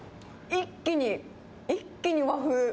一気に、一気に和風。